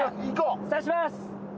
刺します。